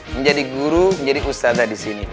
menjadi guru menjadi ustadzah disini